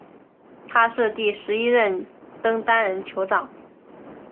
他是第十一任登丹人酋长。